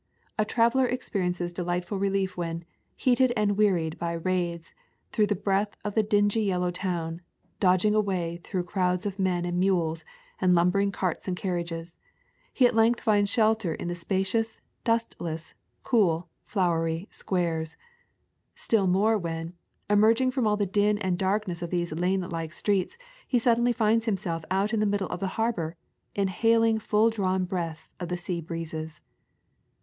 A traveler experi ences delightful relief when, heated and wearied by raids through the breadth of the dingy yellow town, dodging a way through crowds of men and mules and Jumbering carts and carriages, he at length finds shelter in the spacious, dust less, cool, flowery squares; still more when, emerging from all the din and darkness of these lanelike streets, he suddenly finds himself out in the middle of the harbor, inhaling full drawn breaths of the sea breezes.